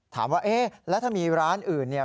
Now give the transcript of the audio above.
ถามว่าเอ๊ะแล้วถ้ามีร้านอื่นเนี่ย